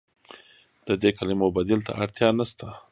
د دې کلمو بدیل ته اړتیا نشته.